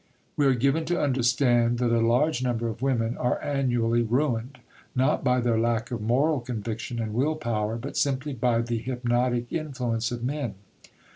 We are given to understand that a large number of women are annually ruined, not by their lack of moral conviction and will power, but simply by the hypnotic influence of men.